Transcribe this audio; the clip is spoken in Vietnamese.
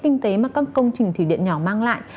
kinh tế mà các công trình thủy điện nhỏ mang lại